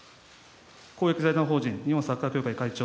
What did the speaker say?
公益財団法人日本サッカー協会会長